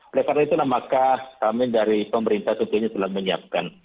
oleh karena itulah maka kami dari pemerintah tentunya telah menyiapkan